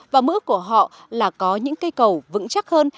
và mưu ức của họ là có những cây cầu vững chắc hơn